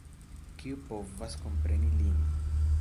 Kiu povas kompreni lin!